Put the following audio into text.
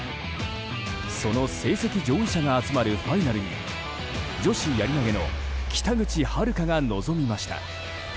その成績上位者が集まるファイナルに女子やり投げの北口榛花が臨みました。